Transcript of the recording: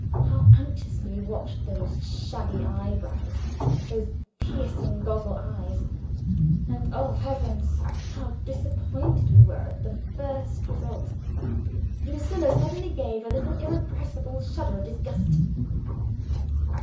How anxiously we watched those shaggy eyebrows, those piercing goggle eyes! And, oh, heavens, how disappointed we were at the first result! Lucilla suddenly gave a little irrepressible shudder of disgust.